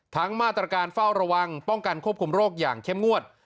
มาตรการเฝ้าระวังป้องกันควบคุมโรคอย่างเข้มงวด